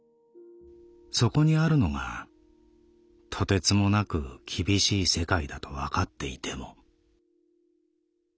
そこにあるのがとてつもなく厳しい世界だとわかっていても」。